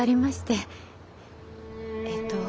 えっと